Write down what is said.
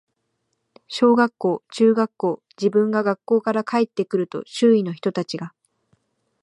小学校、中学校、自分が学校から帰って来ると、周囲の人たちが、